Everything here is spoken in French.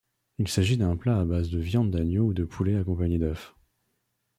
Il s'agit d’un plat à base de viande d'agneau ou de poulet accompagnée d'œufs.